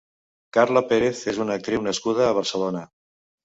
Carla Pérez és una actriu nascuda a Barcelona.